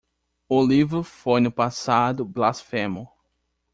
O livro foi no passado blasfemo.